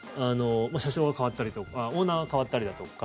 社長が代わったりとかオーナーが代わったりだとか。